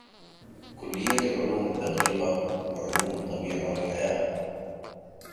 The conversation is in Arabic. كلية العلوم الدقيقة وعلوم الطبيعة والحياة